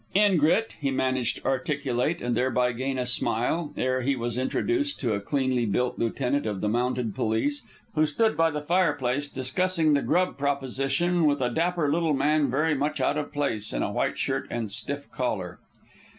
"Ingrate!" he managed to articulate, and thereby to gain a smile, ere he was introduced to a cleanly built lieutenant of the Mounted Police, who stood by the fireplace discussing the grub proposition with a dapper little man very much out of place in a white shirt and stiff collar.